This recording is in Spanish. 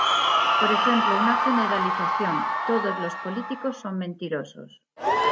Por ejemplo, una generalización: "todos los políticos son mentirosos".